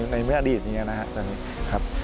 ในเมื่ออดีตเนี่ยนะครับ